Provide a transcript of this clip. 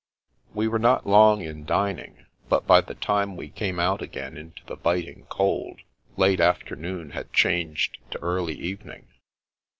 ' We were not long in dining, but by the time we came out again into the biting cold, late afternoon had changed to early evening.